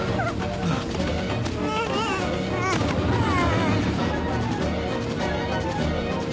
ああ。